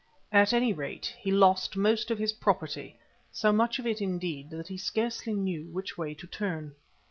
At any rate, he lost most of his property, so much of it indeed that he scarcely knew which way to turn.